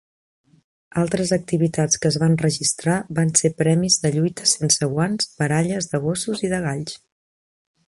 Altres activitats que es van registrar van ser premis de lluites sense guants, baralles de gossos i de galls.